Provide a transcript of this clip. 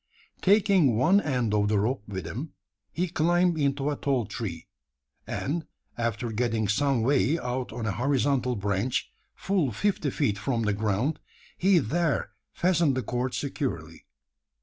Taking one end of the rope with him, he climbed into a tall tree; and, after getting some way out on a horizontal branch full fifty feet from the ground he there fastened the cord securely.